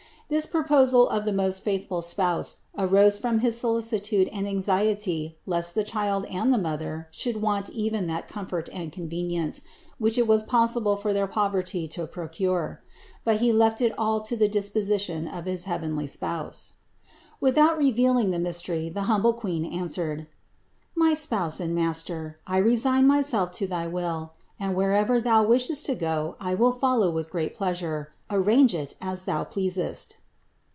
This proposal of the most faithful spouse arose from his solicitude and anxiety lest the Child and the Mother should want even that comfort and convenience which it was possible for their poverty to procure ; but he left it all to the disposition of his heavenly Spouse. 455 456 CITY OF GOD 541. Without revealing the mystery, the humble Queen answered: "My spouse and master, I resign myself to thy will, and wherever thou wishest to go I will follow with great pleasure: arrange it as thou pleasest."